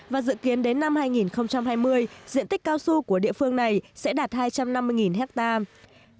và dự kiến đến năm hai nghìn hai mươi diện tích cao su của địa phương này sẽ đạt hai trăm năm mươi hectare